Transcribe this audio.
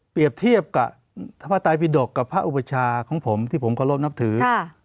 เปรียบเทียบกับภาตรายพิดกษ์กับพระอุปชาของผมที่ผมกระโลกนับถือ